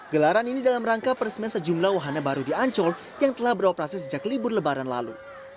gelaran ini dalam rangka peresmian sejumlah wahana baru di ancol yang telah beroperasi sejak libur lebaran lalu